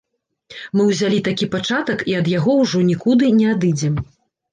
Мы ўзялі такі пачатак і ад яго ўжо нікуды не адыдзем.